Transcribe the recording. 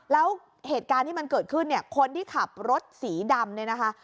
แล้วเหตุการณ์ที่มันเกิดขึ้นเนี่ยคนที่ขับรถสีดำเนี่ยนะคะ